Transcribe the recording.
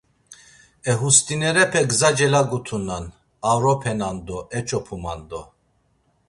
E hust̆inerepe gza celagutunan, aoropenan do eç̌opuman do!